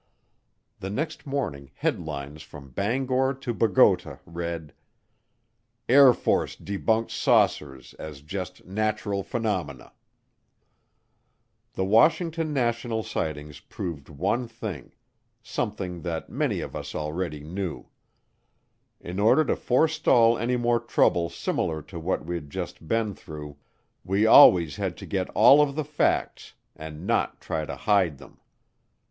The next morning headlines from Bangor to Bogota read: AIR FORCE DEBUNKS SAUCERS AS JUST NATURAL PHENOMENA The Washington National Sightings proved one thing, something that many of us already knew: in order to forestall any more trouble similar to what we'd just been through we always had to get all of the facts and not try to hide them.